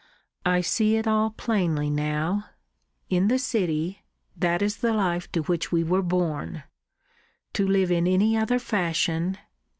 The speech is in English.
I see it all plainly now. In the city that is the life to which we were born. To live in any other fashion